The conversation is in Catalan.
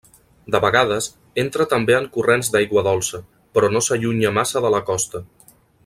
De vegades, entra també en corrents d'aigua dolça, però no s'allunya massa de la costa.